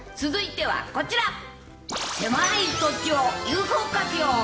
続いてはこちら、狭い土地を有効活用。